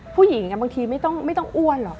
ผู้หญิงบางทีไม่ต้องอ้วนหรอก